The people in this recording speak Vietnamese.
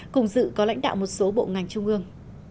cùng dự có lãnh đạo một số bộ ngành trung ương